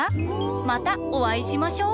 またおあいしましょう！